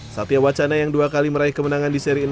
satya wacana yang dua kali meraih kemenangan di seri enam